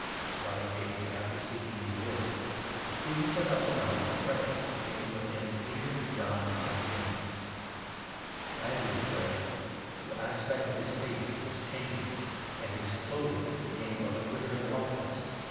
The About eight days after speaking these words, Transfigure Jesus went up the mountain to pray, taking with tson. iiml Peter, John, and James. As he was pray ing, the aspect of his face was changed, and his clothing became of a glittering whiteness.